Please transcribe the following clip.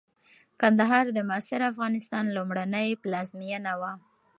کندهار د معاصر افغانستان لومړنۍ پلازمېنه وه.